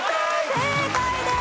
正解です。